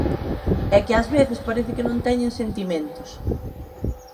E que ás veces parece que non teñen sentimentos.